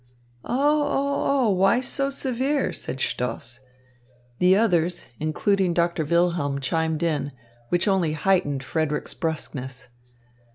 "Oh, oh, oh! Why so severe?" said Stoss. The others, including Doctor Wilhelm, chimed in; which only heightened Frederick's brusqueness.